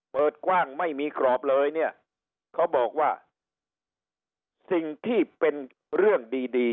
เปิดกว้างไม่มีกรอบเลยเนี่ยเขาบอกว่าสิ่งที่เป็นเรื่องดีดี